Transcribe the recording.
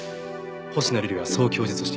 星名瑠璃はそう供述しています。